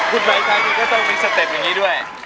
คุณใบชานี่ก็ต้องมีสเต็ปอย่างนี้ด้วย